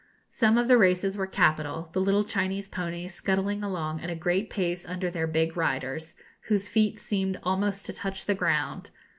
Some of the races were capital, the little Chinese ponies scuttling along at a great pace under their big riders, whose feet seemed almost to touch the ground.